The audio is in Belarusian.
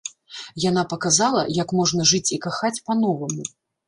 Яна паказала, як можна жыць і кахаць па-новаму.